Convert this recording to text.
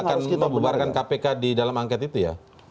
akan membubarkan kpk di dalam angket itu ya